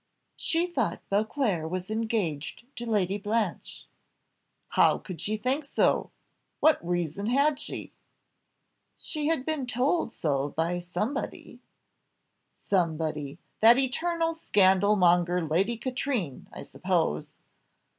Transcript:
"She thought Beauclerc was engaged to Lady Blanche." "How could she think so? What reason had she?" "She had been told so by somebody." "Somebody! that eternal scandal monger Lady Katrine, I suppose."